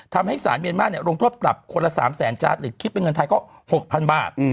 ทำให้สารเมียนบ้านเนี่ยรงทบตรับคนละ๓แสนจ๊าตรหรือคิดเป็นเงินไทยก็๖๐๐๐บาท